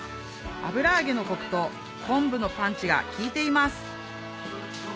油揚げのコクと昆布のパンチが利いています